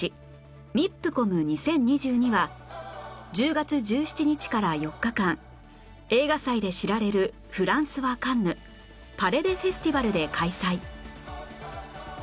ＭＩＰＣＯＭ２０２２ は１０月１７日から４日間映画祭で知られるフランスはカンヌパレ・デ・フェスティバルで開催